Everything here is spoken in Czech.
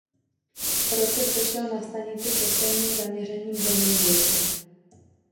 Po roce přešel na stanici se stejným zaměřením do Nymburka.